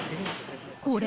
これ？